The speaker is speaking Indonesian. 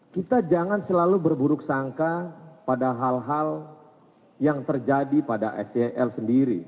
kita jangan selalu berburuk sangka pada hal hal yang terjadi pada sel sendiri